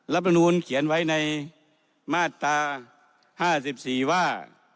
รับบรรณูนเขียนไว้ในมาตรา๕๔ว่า